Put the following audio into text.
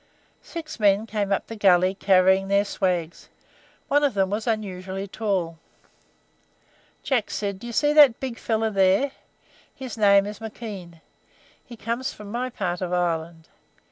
Six men came up the gully carrying their swags, one of them was unusually tall. Jack said: "Do you see that big fellow there? His name is McKean. He comes from my part of Ireland.